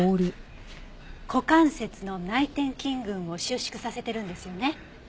股関節の内転筋群を収縮させてるんですよね？